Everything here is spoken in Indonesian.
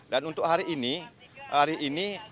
dan untuk hari ini hari ini